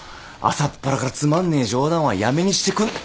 朝っぱらからつまんねえ冗談はやめにしてく。